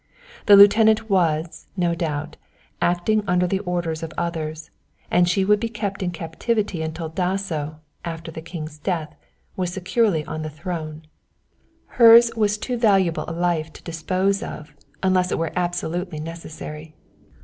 The lieutenant was, no doubt, acting under the orders of others, and she would be kept in captivity until Dasso, after the king's death, was secure on the throne. Her's was too valuable a life to dispose of, unless it were absolutely necessary.